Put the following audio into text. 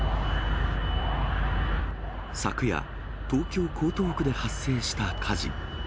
昨夜、東京・江東区で発生した火事。